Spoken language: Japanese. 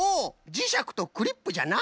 じしゃくとクリップじゃな！